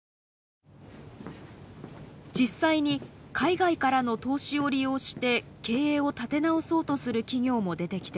実際に海外からの投資を利用して経営を立て直そうとする企業も出てきています。